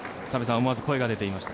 思わず声が出ていました。